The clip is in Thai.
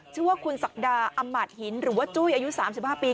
ชื่อว่าคุณศักดาอำมาตหินหรือว่าจุ้ยอายุ๓๕ปี